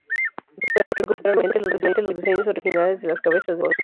Recuperaron principalmente los diseños originales de las cabezas de los muñecos.